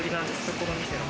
この店の。